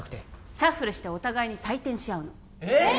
シャッフルしてお互いに採点しあうのえっ！？